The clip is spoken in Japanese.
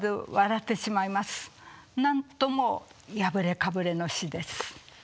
なんとも破れかぶれの詩です。